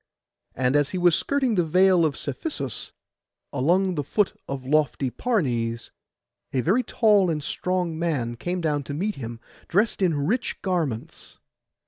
And as he was skirting the Vale of Cephisus, along the foot of lofty Parnes, a very tall and strong man came down to meet him, dressed in rich garments.